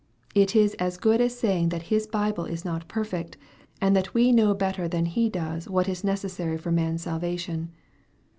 It is as good as saying that His Bible is not perfect, and that we know better than He does what is necessary for man's salvation.